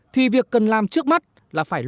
thì việc cần làm trước mắt là phải lưu ý